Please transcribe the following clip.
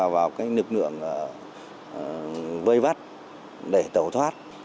vào cái lực lượng vây vắt để tẩu thoát